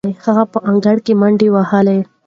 هغه په انګړ کې منډې وهلې.